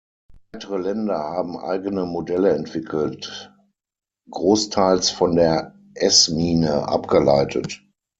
Weitere Länder haben eigene Modelle entwickelt, großteils von der S-Mine abgeleitet.